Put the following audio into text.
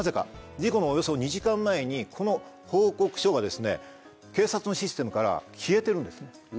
事故のおよそ２時間前にこの報告書が警察のシステムから消えてるんですね。